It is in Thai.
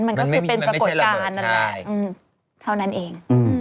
มันก็คือเป็นปรากฏการณ์นั่นแหละ